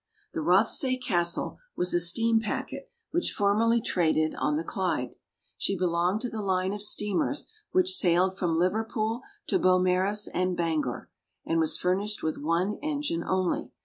The Rothsay Castle was a steam packet which formerly traded on the Clyde. She belonged to the line of steamers which sailed from Liverpool to Beaumaris and Bangor, and was furnished with one engine only.